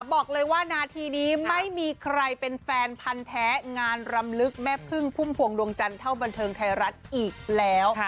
บอกเลยว่านาทีนี้ไม่มีใครเป็นแฟนพันธ์แท้งานรำลึกแม่พึ่งพุ่มพวงดวงจันทร์เท่าบันเทิงไทยรัฐอีกแล้ว